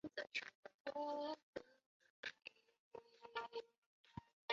机匣的大型座床表面以三根螺钉与铝合金制造的座床块连接以达到最大的稳定性。